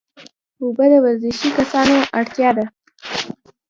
اوبه د ورزشي کسانو اړتیا ده